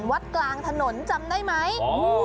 วัดกลางถนนจำได้ไหม